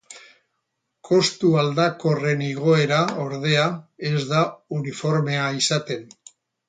Kostu aldakorren igoera ordea ez da uniformea izaten.